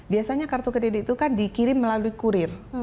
biasanya kartu kredit itu kan dikirim melalui kurir